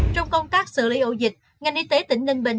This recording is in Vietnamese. trong công tác xử lý ổ dịch ngành y tế tỉnh ninh bình